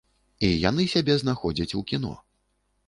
І яны сябе знаходзяць у кіно.